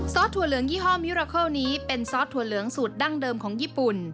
สถั่วเหลืองยี่ห้อมิราเคิลนี้เป็นซอสถั่วเหลืองสูตรดั้งเดิมของญี่ปุ่น